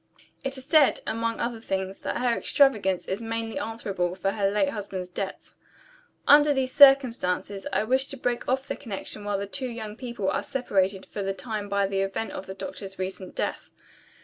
It is said, among other things, that her extravagance is mainly answerable for her late husband's debts. Under these circumstances, I wish to break off the connection while the two young people are separated for the time by the event of the doctor's recent death.